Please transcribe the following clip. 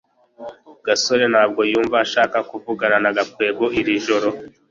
gasore ntabwo yumva ashaka kuvugana na gakwego iri joro